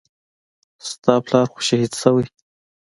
ستا پلار خو شهيد سوى.